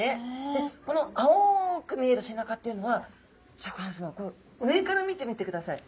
でこの青く見える背中っていうのはシャーク香音さま上から見てみてください。